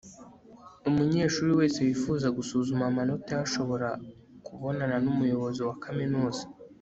Umunyeshuri wese wifuza gusuzuma amanota ye ashobora kubonana numuyobozi wa kaminuza